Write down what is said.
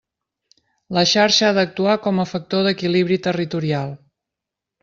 La xarxa ha d'actuar com a factor d'equilibri territorial.